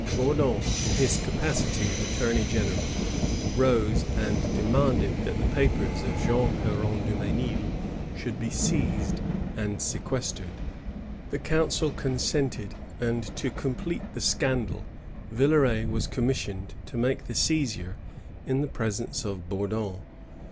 Bourdon, in his character of attorney general, rose and demanded that the papers of Jean P^ronne Dumesnil should be seized and sequestered. The council consented ; and, to complete the scandal, ViUeray was commissioned to make the seizure in the presence of Bourdon.